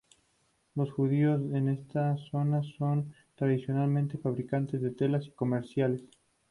Los judíos en esta zona son tradicionalmente fabricantes de telas y comerciantes.